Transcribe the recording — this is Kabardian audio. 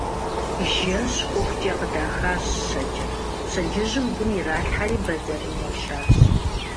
Жэщ хъухукӀэ къыдахащ щэкӀыр, пщэдджыжьым гум иралъхьэри бэзэрым яшащ.